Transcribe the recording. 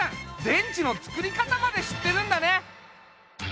電池のつくり方までしってるんだね。